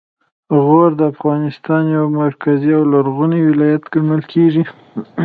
غور د افغانستان یو مرکزي او لرغونی ولایت ګڼل کیږي